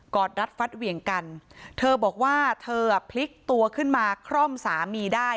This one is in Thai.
อดรัดฟัดเหวี่ยงกันเธอบอกว่าเธอพลิกตัวขึ้นมาคร่อมสามีได้